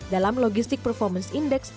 dalam logistik performance index